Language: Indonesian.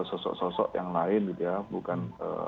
sosok sosok yang lain gitu ya bukan